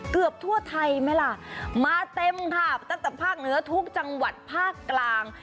เกือบทั่วไทยไหมล่ะมาเต็มค่ะตั้งแต่ภาคเหนือทุกจังหวัดภาคกลาง